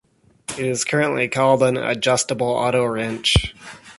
It is currently called an "Adjustable Auto Wrench".